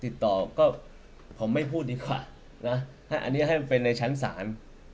ติดต่อก็ผมไม่พูดดีกว่านะอันนี้ให้มันเป็นในชั้นศาล